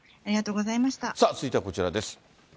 続いてはこちらです。